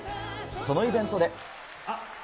そのイベントで。